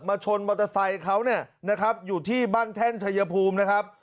ชนมอเตอร์ไซค์เขาเนี่ยนะครับอยู่ที่บ้านแท่นชัยภูมินะครับ